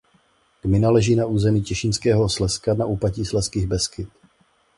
Gmina leží na území Těšínského Slezska na úpatí Slezských Beskyd.